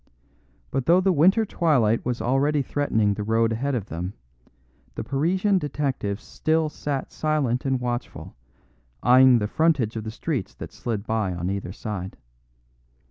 But though the winter twilight was already threatening the road ahead of them, the Parisian detective still sat silent and watchful, eyeing the frontage of the streets that slid by on either side.